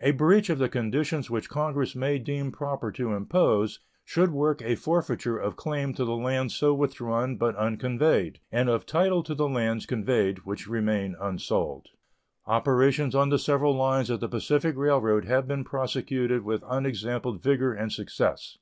A breach of the conditions which Congress may deem proper to impose should work a forfeiture of claim to the lands so withdrawn but unconveyed, and of title to the lands conveyed which remain unsold. Operations on the several lines of the Pacific Railroad have been prosecuted with unexampled vigor and success.